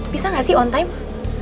bisa nggak sih on time